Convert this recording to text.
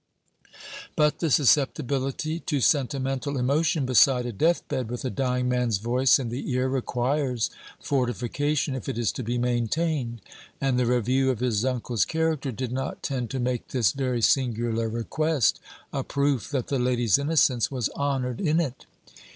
But the susceptibility to sentimental emotion beside a death bed, with a dying man's voice in the ear, requires fortification if it is to be maintained;' and the review of his uncle's character did not tend to make this very singular request a proof that the lady's innocence was honoured in it.